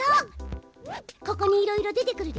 ここにいろいろ出てくるでしょ。